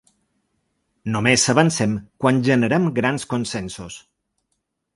Només avancem quan generem grans consensos.